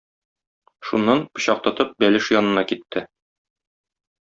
Шуннан, пычак тотып, бәлеш янына китте.